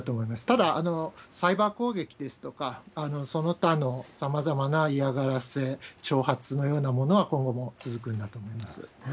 ただ、サイバー攻撃ですとか、その他のさまざまな嫌がらせ、挑発のようなものは今後も続くんだと思います。